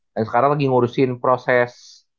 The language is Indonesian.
dan sekarang lagi ngurusin proses